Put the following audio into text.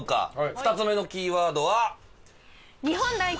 ２つ目のキーワードは。